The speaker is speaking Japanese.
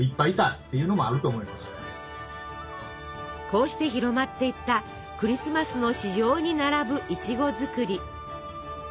こうして広まっていったクリスマスの市場に並ぶいちご作り。